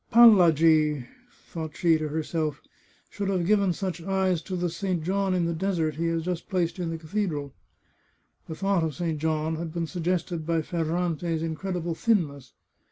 " Pallagi," thought she to herself, " should have given such eyes to the St. John in the Desert he has just placed in the cathedral." The thought of St. John had been suggested by Ferrante's incredible thinness.